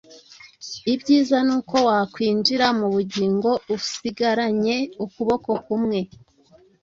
ibyiza ni uko wakwinjira mu bugingo usigaranye ukuboko kumwe,